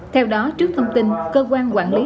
theo đó trước thông tin cơ quan quản lý